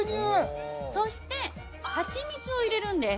そしてハチミツを入れるんです。